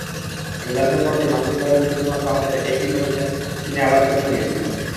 রেজাল্টের পরদিন মানসিকভাবে ভীষণ ক্লান্ত আমাদের একই প্রশ্নে তিনি আবার পরীক্ষা নিয়েছিলেন।